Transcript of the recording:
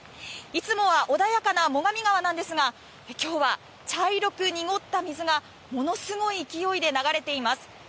いつもは穏やかな最上川なんですが今日は茶色く濁った水がものすごい勢いで流れています。